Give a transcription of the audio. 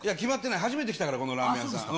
初めて来たから、このラーメそうですか。